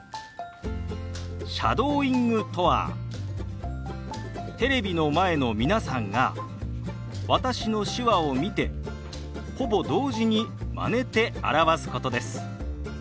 シャドーイングとはテレビの前の皆さんが私の手話を見てほぼ同時にまねて表すことです。